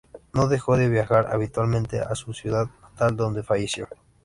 No dejó de viajar habitualmente a su ciudad natal, donde falleció.